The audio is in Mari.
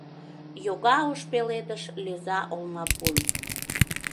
Йога ош пеледыш лӧза олмапун.